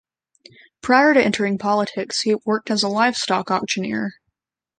Prior to entering politics, he worked as a livestock auctioneer.